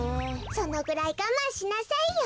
そのぐらいがまんしなさいよ。